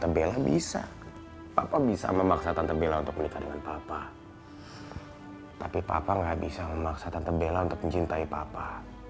tapi papa gak bisa memaksa tante bella untuk mencintai papa